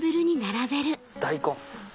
大根。